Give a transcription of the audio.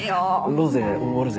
ロゼおごるぜ。